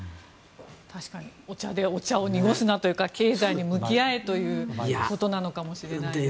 確かにお茶でお茶を濁すなという経済に向き合えということなのかもしれませんね。